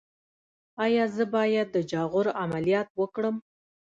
ایا زه باید د جاغور عملیات وکړم؟